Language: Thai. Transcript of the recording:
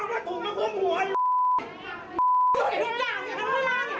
นั่นครับผู้ใหญ่นั่นครับครับ